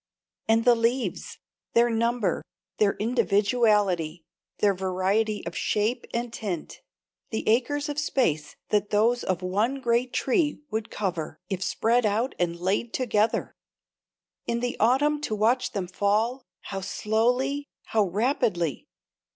And the leaves their number, their individuality, their variety of shape and tint, the acres of space that those of one great tree would cover if spread out and laid together! In the autumn to watch them fall how slowly, how rapidly!